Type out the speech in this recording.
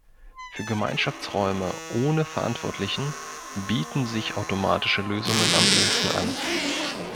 Für Gemeinschaftsräume ohne Verantwortlichen bieten sich automatische Lösungen am ehesten an.